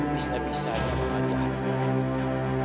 bisa bisa aja mama dia asli kayak evita